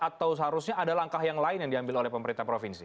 atau seharusnya ada langkah yang lain yang diambil oleh pemerintah provinsi